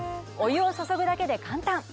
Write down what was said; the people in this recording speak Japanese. お湯を注ぐだけで簡単。